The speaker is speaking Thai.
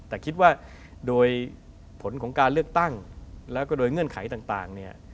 แต่คิดว่าโดยผลของการเลือกตั้งแล้วก็โดยเงื่อนไขต่างเนี่ย